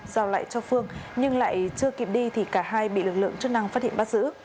giao lại cho phương nhưng lại chưa kịp đi thì cả hai bị lực lượng chức năng phát hiện bắt giữ